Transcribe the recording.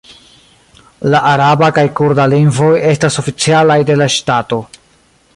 La araba kaj kurda lingvoj estas oficialaj de la ŝtato.